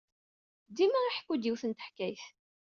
Dima iḥekku-d yiwet n teḥkayt.